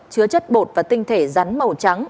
chứa chất bột và tinh thể rắn màu trắng